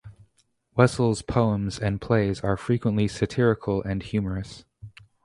Wessel's poems and plays are frequently satirical and humorous.